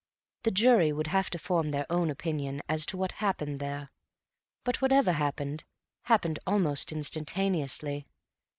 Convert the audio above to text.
The jury would have to form their own opinion as to what happened there. But whatever happened, happened almost instantaneously.